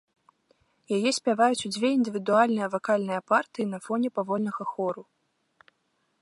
Яе спяваюць у дзве індывідуальныя вакальныя партыі на фоне павольнага хору.